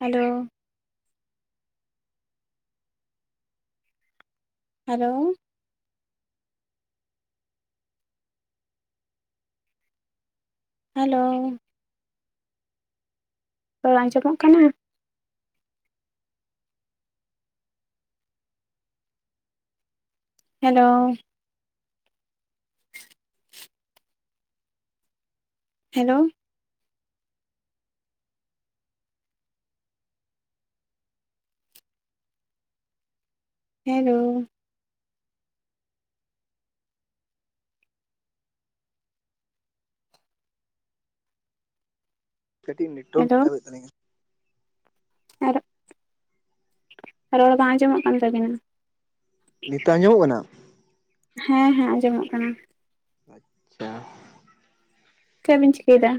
Hello hello hello ᱨᱚᱲ ᱟᱸᱡᱚᱢᱚᱜ ᱠᱟᱱᱟ? ᱦᱮᱞᱳ ᱦᱮᱞᱳ ᱦᱮᱞᱳ ᱠᱟᱹᱴᱤᱡ ᱱᱮᱴᱣᱟᱨᱠ ᱰᱤᱥᱴᱟᱯ ᱛᱟᱵᱮᱫ ᱛᱟᱹᱞᱤᱧᱟ ᱟᱨ ᱨᱚᱲ ᱵᱟᱝ ᱟᱸᱡᱚᱢᱚᱜ ᱠᱟᱱ ᱛᱟᱵᱤᱱᱟ ᱱᱤᱛᱚᱜ ᱟᱸᱡᱚᱢᱚᱜ ᱠᱟᱱᱟ ᱦᱮᱸ ᱦᱮᱸ ᱟᱸᱡᱚᱢᱚᱜ ᱠᱟᱱᱟ ᱟᱪᱪᱷᱟ ᱪᱮᱵᱤᱱ ᱪᱤᱠᱟᱹᱭᱫᱟ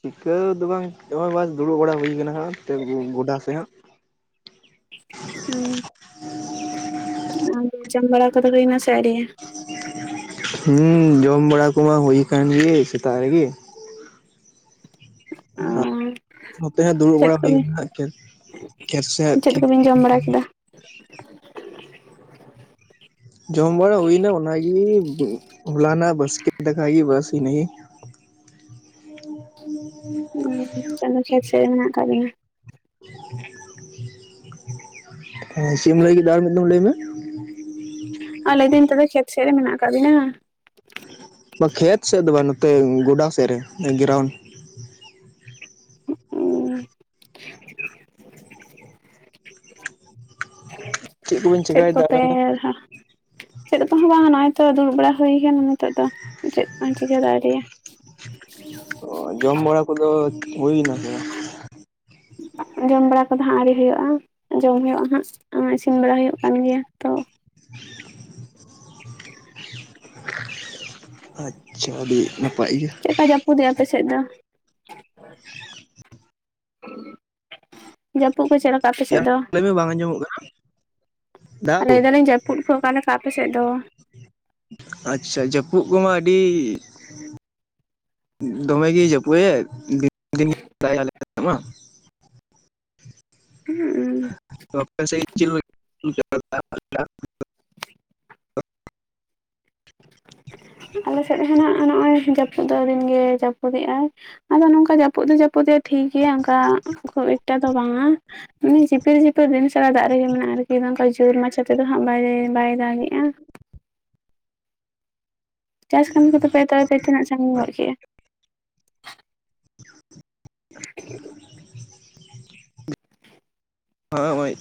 ᱪᱤᱠᱟᱹ ᱫᱚ ᱵᱟᱝ ᱪᱤᱠᱟᱹ ᱦᱚᱸ ᱵᱟᱝ ᱫᱩᱲᱩᱵ ᱵᱟᱲᱟ ᱦᱩᱭ ᱟᱠᱟᱱᱟ ᱮᱱᱛᱮᱫ ᱜᱚᱰᱟ ᱥᱮ ᱦᱟᱸᱜ ᱦᱩᱸ [inaudible] ᱟᱨ ᱡᱚᱢ ᱵᱟᱲᱟ ᱠᱚᱫᱚ ᱦᱩᱭᱱᱟ ᱥᱮ ᱟᱣᱨᱤ ᱦᱩᱸ ᱡᱚᱢ ᱵᱟᱲᱟ ᱠᱚᱢᱟ ᱦᱩᱭ ᱟᱠᱟᱱ ᱜᱮ ᱥᱮᱛᱟᱜ ᱨᱮᱜᱮ᱾ ᱟᱨ ᱱᱚᱛᱮ ᱦᱚᱸ ᱫᱩᱲᱩᱵ ᱪᱮᱫ ᱵᱟᱲᱟ ᱦᱩᱭ ᱠᱚᱵᱤᱱ ᱢᱮᱱᱟᱜᱼᱟ ᱪᱮᱫ ᱠᱚᱵᱤᱱ [unintelligible] ᱡᱚᱢ ᱵᱟᱲᱟ ᱠᱮᱫᱟ ᱡᱚᱢ ᱵᱟᱲᱟ ᱦᱩᱭᱱᱟ ᱚᱱᱟᱜᱮ ᱦᱚᱞᱟᱱᱟᱜ ᱵᱟᱥᱠᱮ ᱫᱟᱠᱟ‌ ᱜᱮ ᱵᱟᱥ ᱤᱱᱟᱹᱜᱮ᱾ ᱩᱸ ᱪᱟᱸᱫᱚ ᱠᱷᱮᱛ ᱥᱮᱫ ᱨᱮ ᱢᱮᱱᱟᱜ ᱟᱠᱟᱫ ᱞᱤᱧᱟ᱾ ᱦᱩᱸ ᱪᱮᱫ ᱮᱢ ᱞᱟᱹᱭ ᱠᱮᱫᱟ ᱟᱨ ᱢᱤᱫ ᱫᱚᱢ ᱞᱟᱹᱭ ᱢᱮ᱾ ᱟ ᱞᱟᱹᱭ ᱫᱟᱹᱧ ᱛᱚᱵᱮ ᱠᱷᱮᱛ ᱥᱮᱫ ᱨᱮ ᱢᱮᱱᱟᱜ ᱟᱠᱟᱫ ᱵᱤᱱᱟ᱾ ᱵᱟ ᱠᱷᱮᱛ ᱥᱮᱫ ᱫᱚ ᱵᱟᱝ ᱱᱚᱛᱮ ᱜᱚᱰᱟ ᱥᱮᱫ ᱨᱮ ᱜᱨᱟᱣᱩᱱᱰ᱾ ᱩᱸ ᱠᱚᱵᱮᱱ ᱪᱮᱫ ᱪᱮᱠᱟᱭᱮᱫᱟ ᱠᱚᱯᱮ᱾ ᱟᱵᱮᱱ ᱫᱚ? ᱪᱮᱫ ᱠᱚᱦᱚᱸ ᱵᱟᱝᱟ ᱱᱚᱜᱼᱚᱭ ᱛᱚ ᱫᱩᱲᱩᱵ ᱵᱟᱲᱟ ᱦᱩᱭ ᱠᱟᱱᱟ ᱱᱤᱛᱳᱜ ᱫᱚ ᱪᱮᱫ ᱠᱚ ᱪᱤᱠᱟᱹ ᱫᱚ ᱟᱣᱨᱤᱭᱟ᱾ ᱚ ᱡᱚᱢ ᱵᱟᱲᱟ ᱠᱚᱫᱚ ᱦᱩᱭᱱᱟ ᱥᱮ ᱵᱟ [inaudible] ᱡᱚᱢ ᱵᱟᱲᱟ ᱠᱚᱫᱚ ᱦᱟᱸᱜ ᱟᱣᱨᱤ ᱦᱩᱭᱩᱜᱼᱟ ᱡᱚᱢ ᱦᱩᱭᱩᱜᱼᱟ ᱦᱟᱸᱜ ᱤᱥᱤᱱ ᱵᱟᱲᱟ ᱦᱩᱭᱩᱜ ᱠᱟᱱ ᱜᱮᱭᱟ ᱛᱚ ᱟᱪᱪᱷᱟ᱾ ᱟᱹᱰᱤ ᱱᱟᱯᱟᱭ ᱜᱮ ᱪᱮᱫ ᱠᱟ ᱡᱟᱹᱯᱩᱫ ᱮᱫᱟ ᱟᱯᱮ ᱥᱮᱫ ᱫᱚ? [inaudible] ᱡᱟᱹᱯᱩᱫ ᱠᱚ ᱪᱮᱫ ᱞᱮᱠᱟ ᱟᱯᱮ ᱥᱮᱫ ᱫᱚ? ᱞᱟᱹᱭ ᱢᱮ ᱵᱟᱝ ᱟᱸᱡᱚᱢᱚᱜ ᱠᱟᱱᱟ᱾ ᱫᱟᱜ ᱞᱟᱹᱭ ᱠᱚ ᱮᱫᱟᱞᱤᱧ ᱡᱟᱹᱯᱩᱫ ᱠᱚ ᱚᱠᱟ ᱞᱮᱠᱟ ᱟᱯᱮ ᱥᱮᱫ ᱫᱚ? ᱟᱪᱪᱷᱟ ᱡᱟᱹᱯᱩᱫ ᱠᱚᱢᱟ ᱟᱹᱰᱤ ᱫᱚᱢᱮ ᱜᱮᱭ ᱡᱟᱯᱩᱭᱮᱫ᱾ [unintelligible] ᱩᱸᱦᱩᱸᱜ᱾ [unintelligible] ᱟᱞᱮ ᱥᱮᱫ ᱦᱚᱸ ᱱᱟᱜᱷ ᱱᱚᱜᱼᱚᱭ ᱡᱟᱹᱯᱩᱫ ᱫᱚ ᱫᱤᱱ ᱜᱮ ᱡᱟᱹᱯᱩᱫᱮᱫᱼᱟᱭ᱾ ᱟᱫᱚ ᱱᱚᱝᱠᱟ ᱡᱟᱹᱯᱩᱫ ᱫᱚ ᱡᱟᱹᱯᱩᱫ ᱫᱮᱫ ᱴᱷᱤᱠ ᱜᱮᱭᱟ ᱚᱱᱠᱟ ᱠᱷᱩᱵ ᱮᱠᱴᱟ ᱫᱚ ᱵᱟᱝᱟ᱾ ᱚᱱᱮ ᱡᱷᱤᱯᱤ ᱡᱷᱤᱯᱤᱨ ᱫᱤᱱ ᱥᱟᱨᱟ ᱫᱟᱜ ᱨᱮᱜᱮ ᱢᱮᱱᱟᱜᱼᱟ ᱟᱨᱠᱤ ᱱᱚᱝᱠᱟ ᱡᱳᱨ ᱢᱟᱪᱷᱟ ᱛᱮᱫᱚ ᱦᱟᱸᱜ ᱵᱟᱭ ᱵᱟᱭ ᱫᱟᱜᱮᱜᱼᱟ᱾ ᱪᱟᱥ ᱠᱟᱹᱢᱤ ᱠᱚᱫᱚ ᱯᱮ [unintelligible] ᱛᱤᱱᱟᱹᱜ ᱥᱟᱺᱜᱤᱧ ᱜᱚᱫ ᱠᱮᱫᱼᱟ᱾ [unintelligible]